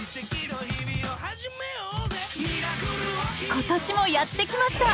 今年もやってきました！